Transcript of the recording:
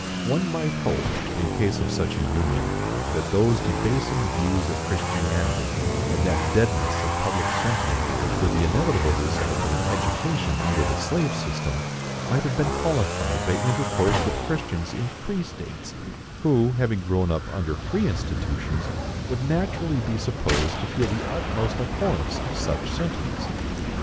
One might hope, in case of such a union, that those debasing views of Christianity, and that deadness of public sentiment, which were the inevitable result of an education under the slave system, might have been qualified by intercourse with Christians in free states, who, having grown up under free institutions, would naturally be supposed to feel the utmost abhorrence of such sentiments.